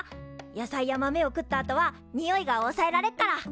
野菜や豆を食ったあとはにおいがおさえられっから。